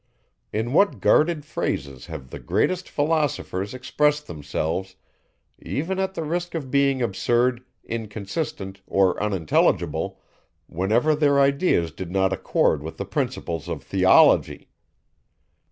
In what guarded phrases have the greatest philosophers expressed themselves, even at the risk of being absurd, inconsistent, or unintelligible, whenever their ideas did not accord with the principles of theology!